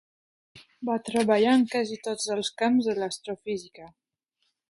Va treballar en quasi tots els camps de l'astrofísica.